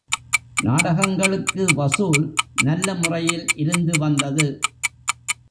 நாடகங்களுக்கு வசூல் நல்ல முறையில் இருந்து வந்தது.